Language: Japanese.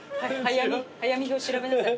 早見表調べなさい。